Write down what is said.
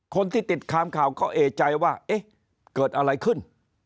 คนที่ติดตามข่าวก็เอกใจว่าเอ๊ะเกิดอะไรขึ้น